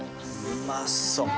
うまそう。